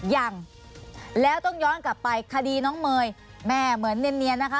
ยังแล้วต้องย้อนกลับไปคดีน้องเมย์แม่เหมือนเนียนนะคะ